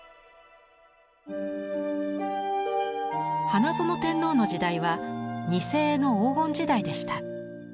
花園天皇の時代は「似絵」の黄金時代でした。